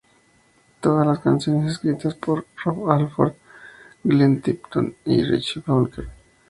Todas las canciones escritas por Rob Halford, Glenn Tipton y Richie Faulkner.